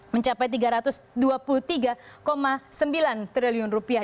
mencapai tiga ratus dua puluh tiga sembilan triliun rupiah